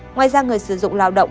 ngoài ra người sử dụng lao động